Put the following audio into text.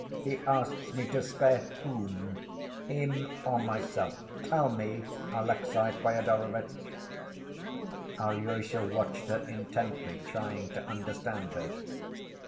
He asks me to spare—whom? Him or myself? Tell me, Alexey Fyodorovitch!" Alyosha watched her intently, trying to understand her.